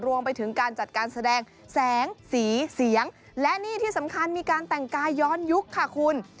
รวมไปถึงการจัดการแสดงแสงสีเสียงและนี่ที่สำคัญมีการแต่งกายย้อนยุคค่ะคุณ